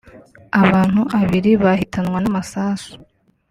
abantu abiri bahitanwa n’amasasu